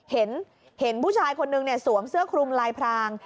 เห็นผู้ชายคนนึงสวมเสื้อคลุมลายพราง